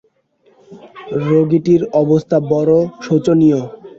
রোগীটির অবস্থা বড় শোচনীয়।